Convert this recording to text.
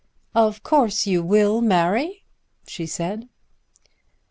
"Of course you will marry?" she said.